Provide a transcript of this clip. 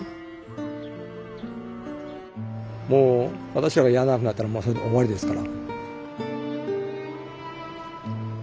私らがやらなくなったらもうそれで終わりですから。